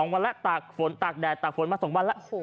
๒วันแล้วตากแดดตากฝนมา๒วันแล้ว